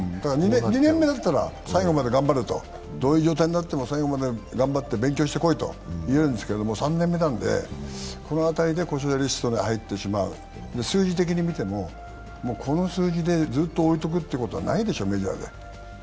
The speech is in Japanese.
２年目だったらどういう状態でも最後まで頑張って勉強してこいと言えるんですけど３年目ですから、この辺りで故障者リストに入ってくると数字的に見ても、この数字でずっと置いておくことはないでしょ、メジャーで。